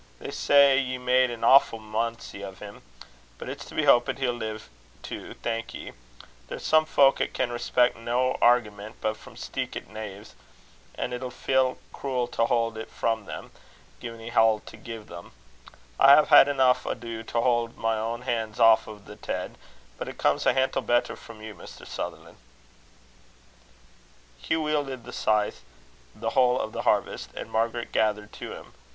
They say ye made an awfu' munsie o' him. But it's to be houpit he'll live to thank ye. There's some fowk 'at can respeck no airgument but frae steekit neives; an' it's fell cruel to haud it frae them, gin ye hae't to gie them. I hae had eneuch ado to haud my ain han's aff o' the ted, but it comes a hantle better frae you, Mr. Sutherlan'." Hugh wielded the scythe the whole of the harvest, and Margaret gathered to him.